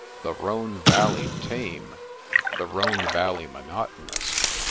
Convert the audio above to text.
The Rhone Valley tame! The Rhone Valley monotonous!